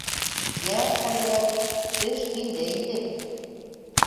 — Йә хәҙрәт, эш һиндә инде.